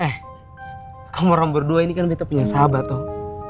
eh kamu orang berdua ini kan kita punya sahabat dong